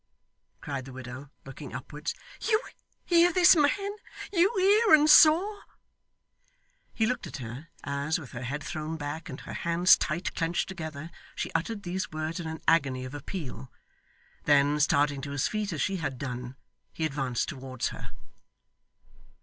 cried the widow, looking upwards. 'You hear this man! you hear and saw!' He looked at her, as, with her head thrown back, and her hands tight clenched together, she uttered these words in an agony of appeal. Then, starting to his feet as she had done, he advanced towards her.